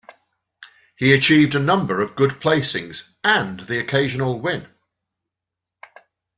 He achieved a number of good placings and the occasional win.